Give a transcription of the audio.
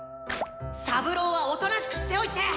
サブローはおとなしくしておいて！